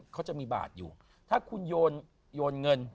เขาจะมีบาทอยู่ถ้าคุณโยนเงิน